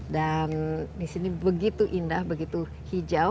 dan di sini begitu indah begitu hijau